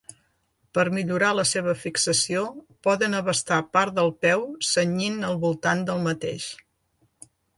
Per millorar la seva fixació poden abastar part del peu cenyint al voltant del mateix.